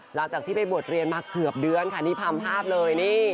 หลังจากที่ไปบวชเรียนมาเกือบเดือนค่ะนี่ทำภาพเลยนี่